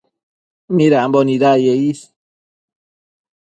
midambo nidaye is